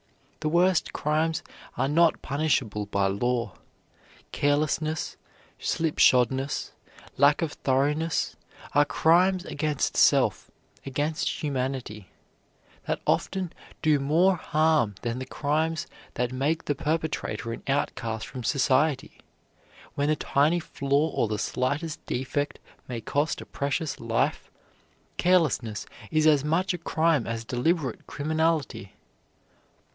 The worst crimes are not punishable by law. Carelessness, slipshodness, lack of thoroughness, are crimes against self, against humanity, that often do more harm than the crimes that make the perpetrator an outcast from society. Where a tiny flaw or the slightest defect may cost a precious life, carelessness is as much a crime as deliberate criminality.